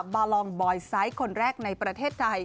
บาลองบอยไซส์คนแรกในประเทศไทย